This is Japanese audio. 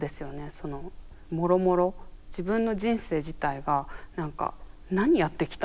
そのもろもろ自分の人生自体が何か何やってきたんだろうみたいな。